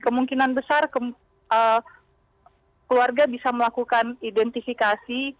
kemungkinan besar keluarga bisa melakukan identifikasi